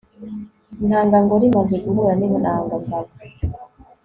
intangangore imaze guhura n'intangangabo